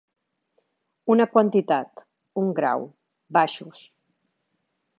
Una quantitat, un grau, baixos.